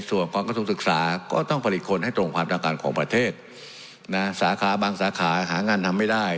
สวัสดีสวัสดีสวัสดีสวัสดีสวัสดีสวัสดี